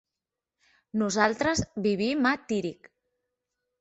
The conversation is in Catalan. Nosaltres vivim a Tírig.